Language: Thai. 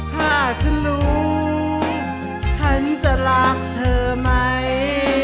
ถ้าฉันรู้ฉันจะรักเธอไหม